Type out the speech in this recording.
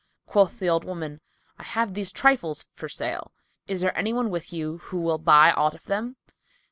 Quoth the old woman, "I have these trifles for sale: is there any one with you who will buy aught of them?"